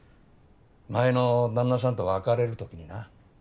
前の旦那さんと別れる時にな